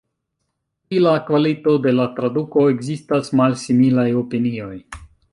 Pri la kvalito de la traduko ekzistas malsimilaj opinioj.